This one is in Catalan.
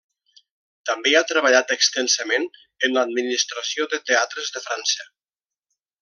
També ha treballat extensament en l'administració de teatres de França.